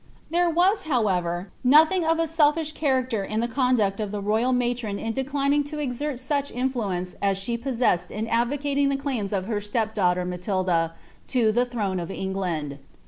Tbero was, however, nothing of a seliish chnracler in the conduct of the loyikl matron in declining to exert such influence as she posseted in •dvueating the claims of her slep ilaughler Matilda to the throne of Eoghnd.